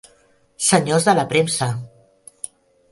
Senyors de la premsa!